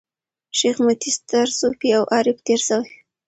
شېخ متي ستر صوفي او عارف تېر سوی دﺉ.